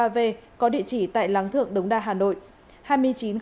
hai nghìn chín trăm linh ba v có địa chỉ tại láng thượng đống đa hà nội